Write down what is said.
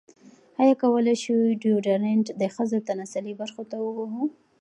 ایا کولی شو ډیوډرنټ د ښځو تناسلي برخو ته ووهلو؟